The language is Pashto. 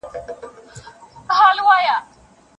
غرڅه ولاړی د ځنګله پر خوا روان سو